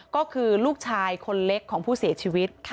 ก็คือลูกชายคนเล็กของผู้เสียชีวิต